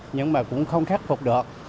nhưng mà cũng không khắc phục được